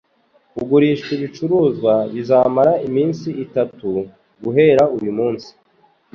Kugurisha ibicuruzwa bizamara iminsi itatu, guhera uyu munsi.